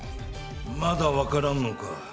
まだ分からんのか？